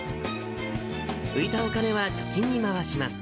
浮いたお金は貯金に回します。